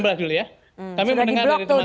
sudah di blok tuh di gbk